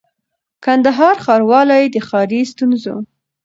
کندهار ښاروالۍ د ښاري ستونزو